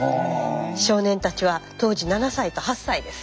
少年たちは当時７歳と８歳です。